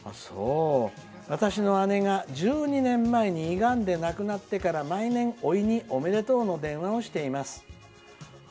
「私の姉が１２年前に胃がんで亡くなってから毎年、おいにおめでとうの電話をしています。